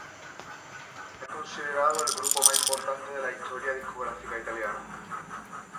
Es considerado el grupo más importante de la historia discográfica italiana.